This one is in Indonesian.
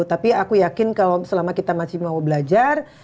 tapi aku yakin kalau selama kita masih mau belajar